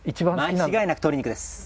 間違いなく鶏肉です。